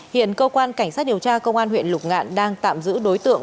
hiện cơ quan cảnh sát điều tra công an huyện lục ngạn đang tạm giữ đối tượng